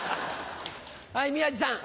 はい宮治さん。